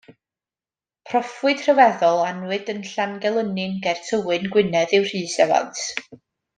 Proffwyd rhyfeddol a anwyd yn Llangelynnin ger Tywyn, Gwynedd yw Rhys Evans.